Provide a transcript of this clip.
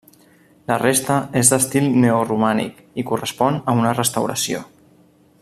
La resta és d'estil neoromànic i correspon a una restauració.